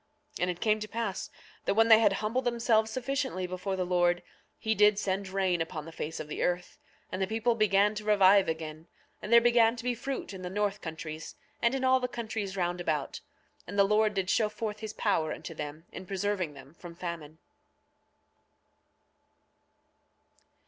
9:35 And it came to pass that when they had humbled themselves sufficiently before the Lord he did send rain upon the face of the earth; and the people began to revive again, and there began to be fruit in the north countries, and in all the countries round about. And the Lord did show forth his power unto them in preserving them from famine.